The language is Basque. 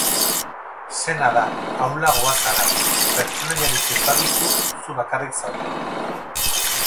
Sena da, ahulagoa zara, pertsonaiarik ez baduzu, zu bakarrik zaude.